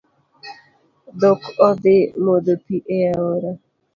Dhok odhii modho pii e aora.